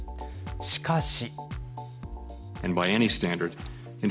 しかし。